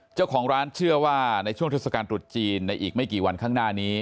เจ้าของร้านเชื่อว่าในช่วงเทศกาลตรุษจีนในอีกไม่กี่วันข้างหน้านี้